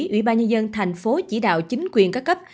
ủy ban nhân dân thành phố chỉ đạo chính quyền các cấp